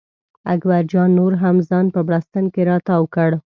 اکبر جان نور هم ځان په بړسټن کې را تاو کړ.